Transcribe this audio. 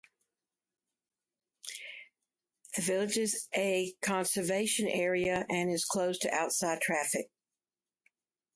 The village is a conservation area, and is closed to outside traffic.